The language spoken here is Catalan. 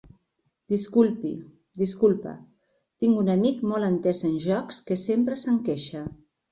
Disculpi, disculpa, tinc un amic molt entès en jocs que sempre se'n queixa.